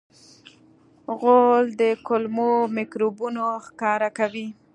غول د کولمو میکروبونه ښکاره کوي.